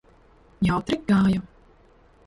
Jautri gāja?